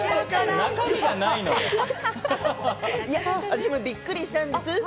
私もびっくりしたんです。